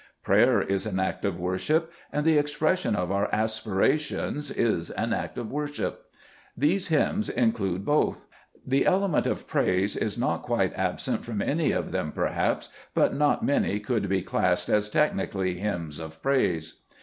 Prayer is an act of worship, and the expression of our aspirations is an act of worship. These hymns include both. The element of praise is not quite absent from any one of them, perhaps, but not many could be classed as technically hymns of praise.